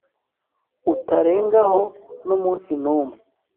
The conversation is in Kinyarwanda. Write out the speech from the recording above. utarengaho n’umunsi n’umwe,